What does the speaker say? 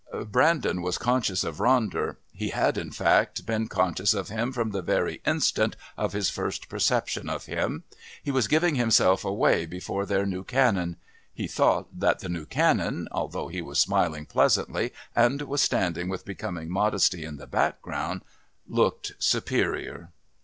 Brandon was conscious of Ronder. He had, in fact, been conscious of him from the very instant of his first perception of him. He was giving himself away before their new Canon; he thought that the new Canon, although he was smiling pleasantly and was standing with becoming modesty in the background, looked superior....